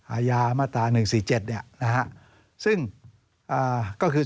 อาญามาตรา๑๔๗ซึ่งก็คือ